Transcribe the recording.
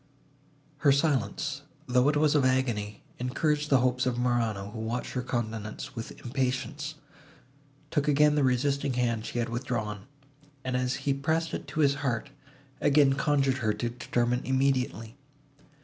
Her silence, though it was that of agony, encouraged the hopes of Morano, who watched her countenance with impatience, took again the resisting hand she had withdrawn, and, as he pressed it to his heart, again conjured her to determine immediately.